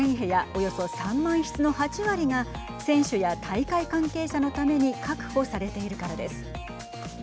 およそ３万室の８割が選手や大会関係者のために確保されているからです。